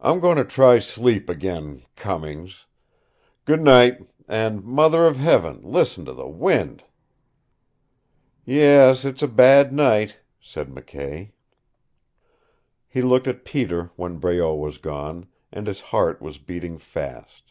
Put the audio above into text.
"I'm going to try sleep again, Cummings. Goodnight! And Mother of Heaven! listen to the wind." "Yes, it's a bad night," said McKay. He looked at Peter when Breault was gone, and his heart was beating fast.